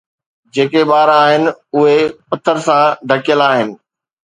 جيڪي ٻار آهن، اهي پٿر سان ڍڪيل آهن